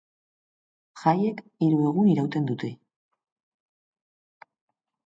Jaiek hiru egun irauten dute.